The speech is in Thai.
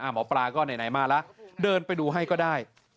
หมอปลาก็ไหนมาแล้วเดินไปดูให้ก็ได้